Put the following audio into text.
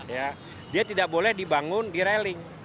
ya dia tidak boleh dibangun di railing